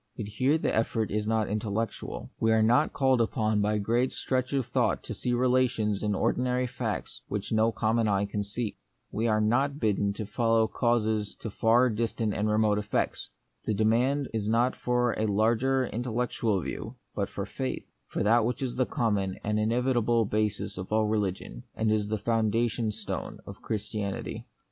But here the effort is not intellectual. We are not called upon by great stretch of thought to see relations in ordinary facts which no common eye can see. We are not bidden to follow causes to far 24 The Mystery of Pain, distant and remote effects. The demand is not for a larger intellectual view, but for faith ; for that which is the common and inevitable basis of all religion, and is the foundation stone of Christianity.